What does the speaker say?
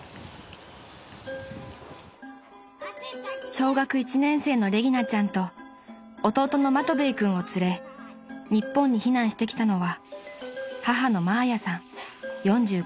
［小学１年生のレギナちゃんと弟のマトヴェイ君を連れ日本に避難してきたのは］